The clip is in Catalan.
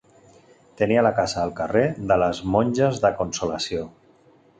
Tenia la casa al carrer de les Monges de Consolació.